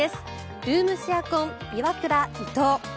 ルームシェア婚イワクラ、伊藤。